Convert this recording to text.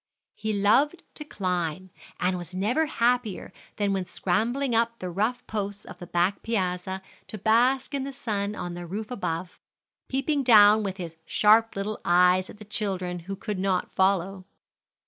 He loved to climb, and was never happier than when scrambling up the rough posts of the back piazza to bask in the sun on the roof above, peeping down with his sharp little eyes at the children, who could not follow.